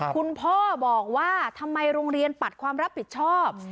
คุณพ่อบอกว่าทำไมโรงเรียนปัดความรับผิดชอบ